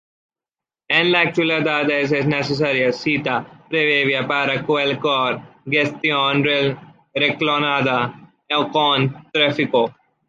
En la actualidad, es necesaria cita previa para cualquier gestión relacionada con Tráfico.